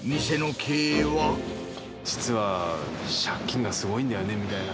実は借金がすごいんだよね、みたいな。